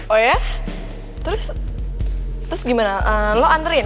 oh ya terus gimana lo anterin